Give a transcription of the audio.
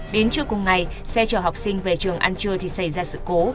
đến trưa cùng ngày xe chở học sinh về trường ăn trưa thì xảy ra sự cố